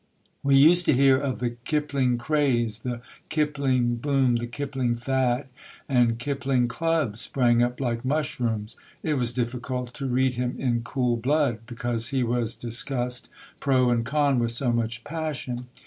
We used to hear of the Kipling "craze," the Kipling "boom," the Kipling "fad," and Kipling clubs sprang up like mushrooms. It was difficult to read him in cool blood, because he was discussed pro and con with so much passion.